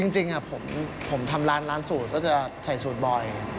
จริงผมทำร้านสูตรก็จะใส่สูตรบ่อย